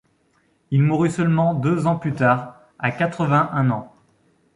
Il mourut seulement deux ans plus tard à quatre-vingt-un ans.